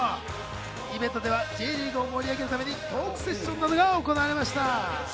イベントではＪリーグを盛り上げるために、トークセッションなどが行われました。